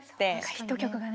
ヒット曲がね。